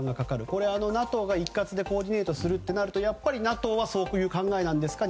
これはＮＡＴＯが一括でコーディネートするとなるとやっぱりＮＡＴＯはそういう考えなんですか？